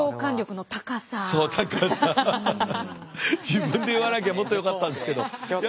自分で言わなきゃもっとよかったんですけど。